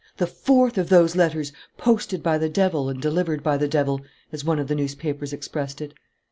The fourth of those letters "posted by the devil and delivered by the devil," as one of the newspapers expressed it!